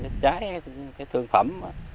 trái thương phẩm